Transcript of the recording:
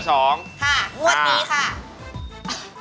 ค่ะงวดนี้ค่ะ